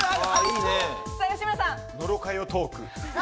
野呂佳代トーク。